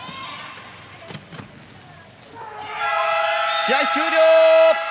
試合終了！